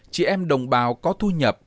chị em đồng bào có thu nhập